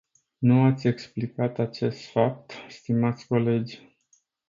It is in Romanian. Nu ați explicat acest fapt, stimați colegi.